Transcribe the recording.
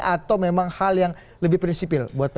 atau memang hal yang lebih prinsipil buat psi